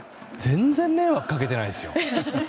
全然迷惑かけてないですよ！